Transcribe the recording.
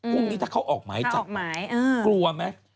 พรุ่งนี้ถ้าเขาออกหมายจับ